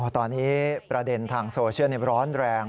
ตอนนี้ประเด็นทางโซเชียลร้อนแรง